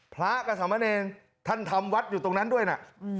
พระกสมนนิกส์ท่านธรรมวรรษอยู่ตรงนั้นด้วยนะ